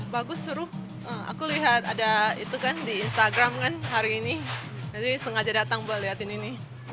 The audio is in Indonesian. bagus seru aku lihat ada itu kan di instagram kan hari ini jadi sengaja datang buat liatin ini